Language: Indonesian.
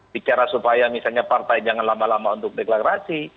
bicara supaya misalnya partai jangan lama lama untuk deklarasi